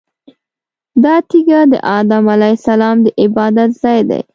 دا تیږه د ادم علیه السلام د عبادت ځای دی.